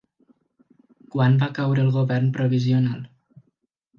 Quan va caure el govern provisional?